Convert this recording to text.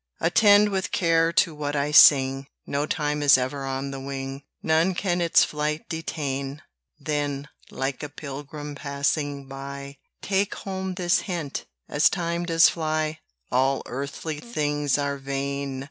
Attend with care to what I sing: Know time is ever on the wing; None can its flight detain; Then, like a pilgrim passing by, Take home this hint, as time does fly, "All earthly things are vain."